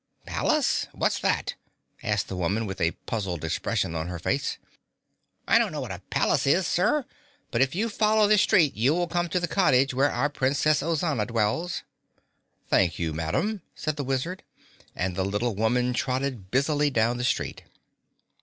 "Palace? What's that?" asked the woman with a puzzled expression on her face. "I don't know what a palace is, Sir, but if you follow this street you will come to the cottage where our Princess Ozana dwells." "Thank you, Madame," said the Wizard, and the little woman trotted busily down the street.